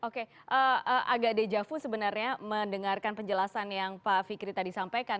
oke agak dejavu sebenarnya mendengarkan penjelasan yang pak fikri tadi sampaikan